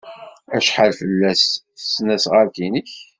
Acḥal fell-as tesnasɣalt-nnek?